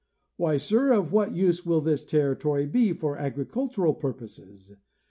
'' Why, sir, of what use will this territory be for agricultural purposes?